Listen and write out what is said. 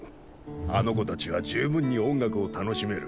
あの子たちは十分に音楽を楽しめる。